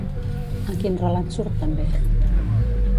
En quin relat surt també?